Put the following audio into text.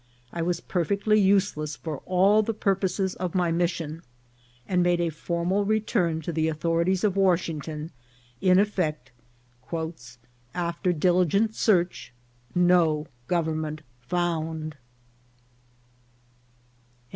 I was perfectly useless for all the pur poses of my mission, and made a formal return to the authorities of Washington, in effect, " after diligent search, no government found."